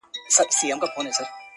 o ډکه کاسه که چپه نسي، و خو به چړپېږي!